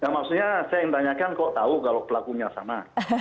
maksudnya saya yang tanyakan kok tahu kalau pelakunya sama